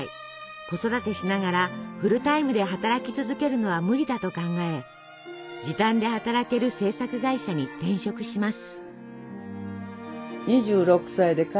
子育てしながらフルタイムで働き続けるのは無理だと考え時短で働ける制作会社に転職します。